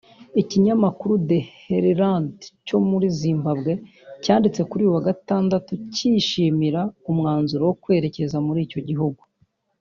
Ikinyamakuru The Herald cyo muri Zimbabwe cyanditse kuri uyu wa Gatandatu cyishimira umwanzuro wo kwerekeza muri icyo gihugu